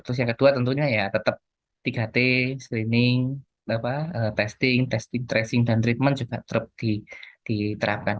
terus yang kedua tentunya ya tetap tiga t screening testing testing tracing dan treatment juga tetap diterapkan